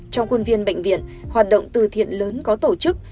trong quân viên bệnh viện hoạt động từ thiện lớn có tổ chức